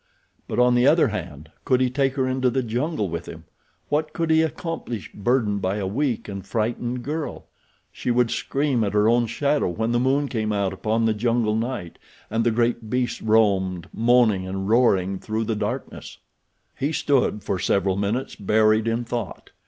But, on the other hand, could he take her into the jungle with him? What could he accomplish burdened by a weak and frightened girl? She would scream at her own shadow when the moon came out upon the jungle night and the great beasts roamed, moaning and roaring, through the darkness. He stood for several minutes buried in thought.